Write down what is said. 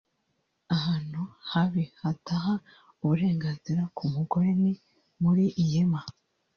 Ahantu habi (hadaha uburenganzira) ku mugore ni muri Yemen